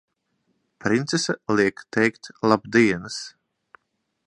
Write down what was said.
Princese liek teikt labdienas!